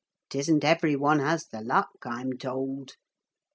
It isn't every one has the luck, I'm told.